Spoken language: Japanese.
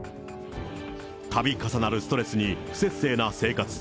たび重なるストレスに、不摂生な生活。